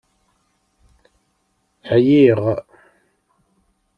Ɛyiɣ!